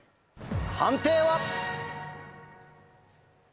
判定は？